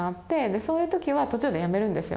そういうときは途中でやめるんですよ。